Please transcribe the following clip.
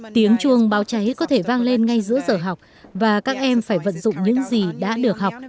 tiếng chuông báo cháy có thể vang lên ngay giữa giờ học và các em phải vận dụng những gì đã được học